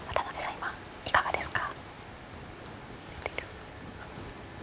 今いかがですか？